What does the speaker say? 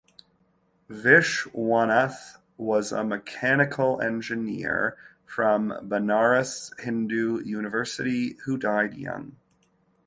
Vishwanath was a mechanical engineer from Banaras Hindu University who died young.